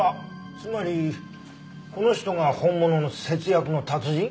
つまりこの人が本物の節約の達人？